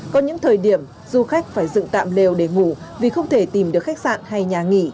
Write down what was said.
có những thời điểm du khách phải dựng tạm lều để ngủ vì không thể tìm được khách sạn hay nhà nghỉ